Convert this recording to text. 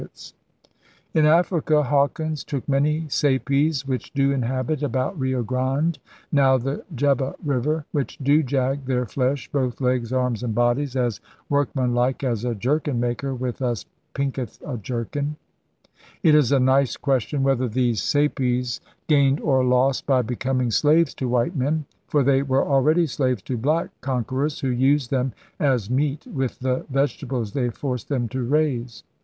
HAWKINS AND THE FIGHTING TRADERS 79 In Africa Hawkins took many *Sapies which do inhabit about Rio Grande [now the Jeba River] which do jag then flesh, both legs, arms, and bodies as workmanlike as a jerkin maker with us pinketh a jerkin.' It is a nice question whether these Sapies gained or lost by becoming slaves to white men; for they were already slaves to black conquerors who used them as meat with the vege tables they forced them to raise.